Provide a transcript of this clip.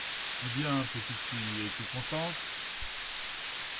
Eh bien, petite fille, es-tu contente ?…